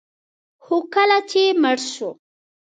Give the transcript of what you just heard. خو کله چې مړ شو